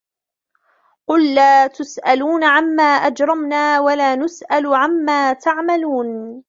قُلْ لَا تُسْأَلُونَ عَمَّا أَجْرَمْنَا وَلَا نُسْأَلُ عَمَّا تَعْمَلُونَ